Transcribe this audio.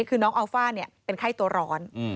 คือน้องอัลฟ่าเป็นไข้ตัวร้อน